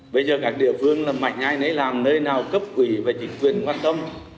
bây giờ các địa phương là mạnh ai nấy làm nơi nào cấp quỷ và chính quyền quan tâm